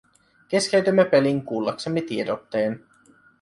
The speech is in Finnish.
Keskeytimme pelin kuullaksemme tiedotteen.